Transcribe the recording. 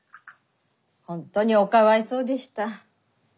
本当におかわいそうでした。